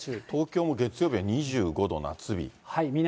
東京も月曜日、２５度夏日。